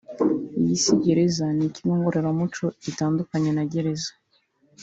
iyi si gereza ni ikigo ngororamuco gitandukanye na gereza